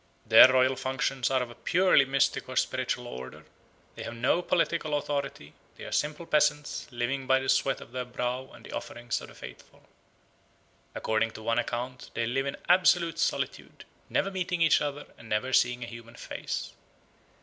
Their royal functions are of a purely mystic or spiritual order; they have no political authority; they are simple peasants, living by the sweat of their brow and the offerings of the faithful. According to one account they live in absolute solitude, never meeting each other and never seeing a human face.